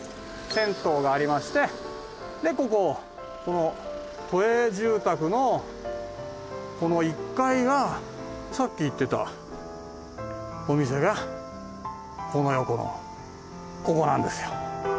銭湯がありましてでこここの都営住宅のこの１階がさっき言ってたお店がこの横のここなんですよ。